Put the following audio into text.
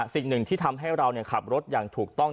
สิ่งหนึ่งที่ทำให้เราขับรถอย่างถูกต้อง